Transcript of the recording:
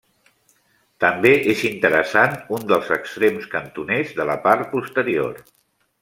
També és interessant un dels extrems cantoners de la part posterior.